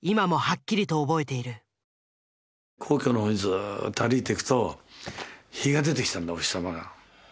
皇居の方にずっと歩いて行くと日が出てきたんだお日様が。